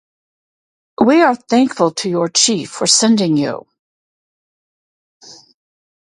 We are thankful to your chief for sending you.